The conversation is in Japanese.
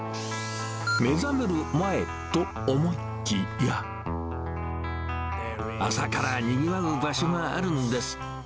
目覚める前と思いきや、朝からにぎわう場所があるんです。